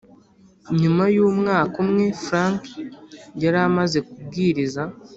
Nyuma y umwaka umwe frank yari amaze kubwiriza